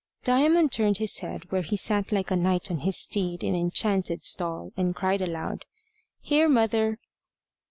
Diamond turned his head where he sat like a knight on his steed in enchanted stall, and cried aloud, "Here, mother!"